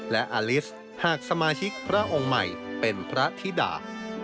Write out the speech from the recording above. และอลิสหากสมาชิกพระองค์ใหม่เป็นพระธิดา